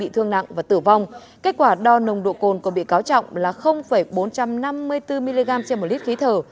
tử vong kết quả đo nồng độ cồn của bị cáo trọng là bốn trăm năm mươi bốn mg trên một lít khí thở